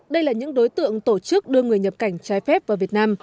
đây là những đối tượng tổ chức đưa người nhập cảnh trái phép vào việt nam